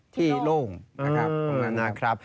ที่โล่งนะครับ